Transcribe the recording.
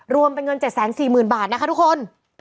รวมเป็นเงิน๗๔๐๐๐บาทนะคะทุกคน